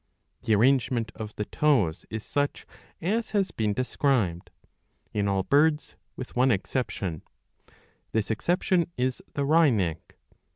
The arrangement of the toes is such 695a. IV. 12 — IV. 13 135 as has been described, in all birds with one exception. This exception is the wryneck.